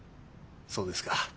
そうですか。